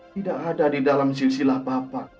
tidak ada di dalam sisilah bapak